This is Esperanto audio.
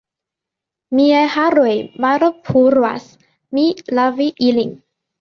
Miaj haroj malpuras. Mi lavu ilin.